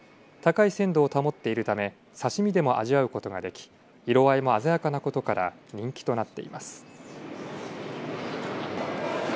高い鮮度を保っているため刺身でも味わうことができ色合いも鮮やかなことから人気となっています。